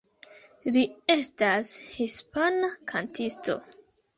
Li estas hispana kantisto.